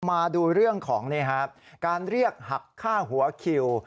มาดูเรื่องของการเรียกหักฆ่าหัวคิว